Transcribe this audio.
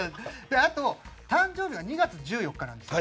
あと、誕生日が２月１４日なんです。